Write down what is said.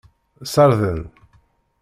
Ssarden.